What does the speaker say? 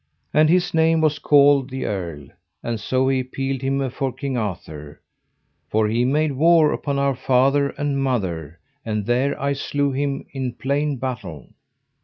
And his name was called the Earl, and so he appealed him afore King Arthur: For he made war upon our father and mother, and there I slew him in plain battle.